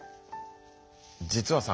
実はさ